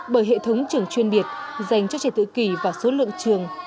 bởi hệ thống trường chuyên biệt dành cho trẻ tự kỷ và số lượng trường